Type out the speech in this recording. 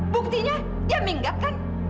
buktinya dia minggat kan